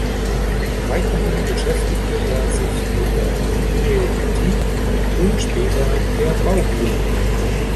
Weiterhin beschäftigte er sich mit der Homöopathie und später der Baubiologie.